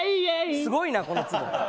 すごいな、このツボ。